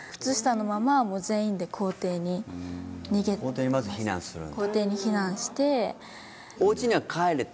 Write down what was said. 校庭にまず避難するんだ。